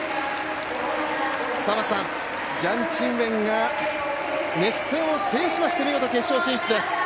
ジャン・チンウェンが熱戦を制しまして、見事、決勝進出です。